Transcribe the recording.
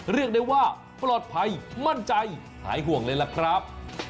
เรียกได้ว่าปลอดภัยมั่นใจหายห่วงเลยล่ะครับ